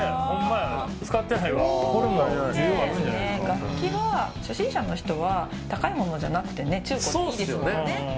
楽器は初心者の人は高いものじゃなくて中古でいいですもんね。